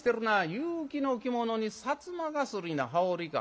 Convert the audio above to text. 結城の着物に薩摩絣の羽織か。